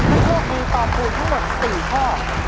ถ้าโชคดีตอบถูกทั้งหมด๔ข้อ